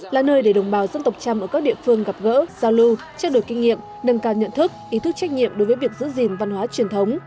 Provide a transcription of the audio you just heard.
là nơi để đồng bào dân tộc trăm ở các địa phương gặp gỡ giao lưu trao đổi kinh nghiệm nâng cao nhận thức ý thức trách nhiệm đối với việc giữ gìn văn hóa truyền thống